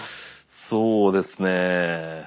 そうですね。